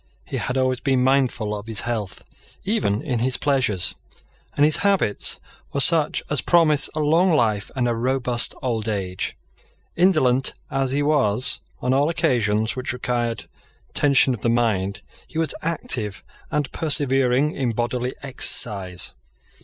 He had always been mindful of his health even in his pleasures; and his habits were such as promise a long life and a robust old age. Indolent as he was on all occasions which required tension of the mind, he was active and persevering in bodily exercise.